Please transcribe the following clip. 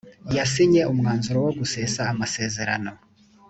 yasinye umwanzuro wo gusesa amasezerano